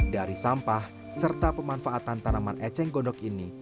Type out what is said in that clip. dari sampah serta pemanfaatan tanaman eceng gondok ini